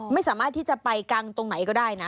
ไม่สามารถที่จะไปกางตรงไหนก็ได้นะ